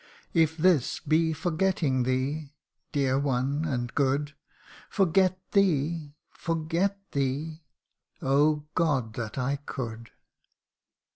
85 If this be forgetting thee, dear one and good Forget thee forget thee Oh God ! that I could